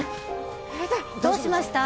どうしました？